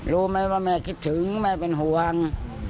รู้ไหมว่าแม่คิดถึงแม่เป็นห่วง